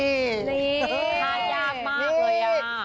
นี่ท่ายากมากเลย